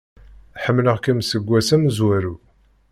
Ḥemmleɣ-kem seg ass amezwaru.